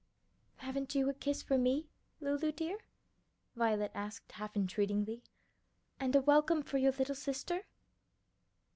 "Haven't you a kiss for me, Lulu, dear?" Violet asked half entreatingly, "and a welcome for your little sister?"